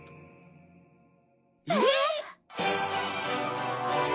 えっ！？